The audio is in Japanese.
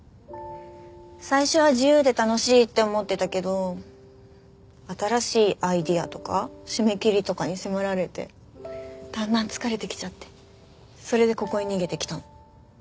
最初は自由で楽しいって思ってたけど新しいアイデアとか締め切りとかに迫られてだんだん疲れてきちゃってそれでここへ逃げてきたの。